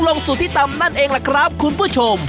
ลงสู่ที่ตำนั่นเองล่ะครับคุณผู้ชม